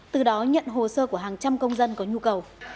từ đó nhận hồ sơ của hàng trăm công dân có nhu cầu